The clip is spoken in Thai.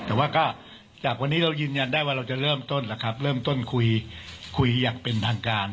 แต่ว่าก็จากวันนี้เรายืนยันได้ว่าเราจะเริ่มต้นคุยอย่างเป็นทางการ